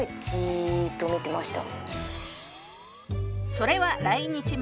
それは来日前。